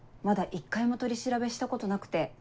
一回も取り調べしたことなくて。